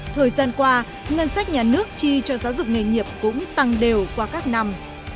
thời gian qua ngân sách nhà nước chi cho giáo dục nghề nghiệp cũng tăng đều qua các năm